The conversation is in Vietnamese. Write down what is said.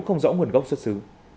không rõ nguồn gốc xuất xứ